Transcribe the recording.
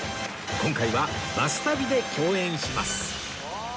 今回は『バス旅』で共演します